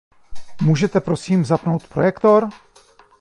Můžete prosím zapnout projektor?